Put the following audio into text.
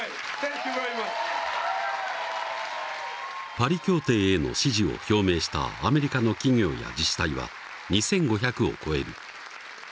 パリ協定への支持を表明したアメリカの企業や自治体は２，５００を超える。